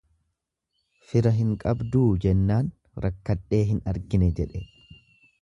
Fira hin qabduu jennaan, rakkadhee hin argine jedhe.